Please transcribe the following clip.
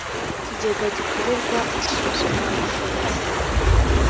ikigega gikorerwa isuzumabushobozi